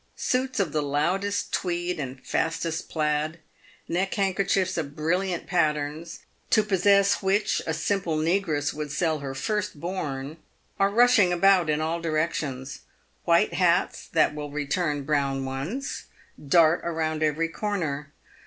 Suits of the loudest Tweed and fastest plaid ; neck hand kerchiefs of brilliant patterns, to possess which a simple negress would sell her first born, are rushing about in all directions ; white hats, that will return brown ones, dart round every corner.